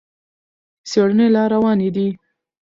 څېړنې لا روانې دي.